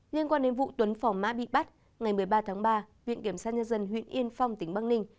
liên quan đến vụ tuấn phỏ mã bị bắt ngày một mươi ba tháng ba viện kiểm sát nhân dân huyện yên phong tỉnh bắc ninh